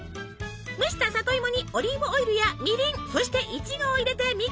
蒸した里芋にオリーブオイルやみりんそしてイチゴを入れてミキサーに。